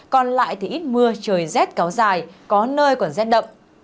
còn lại thì ít mưa trời rét kéo dài có nơi còn rét đậm